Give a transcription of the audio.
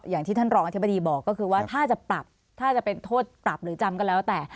อย่างที่ท่านรองอธิบดีบอกก็คือว่าถ้าจะปรับถ้าจะเป็นโทษปรับหรือจำก็แล้วแต่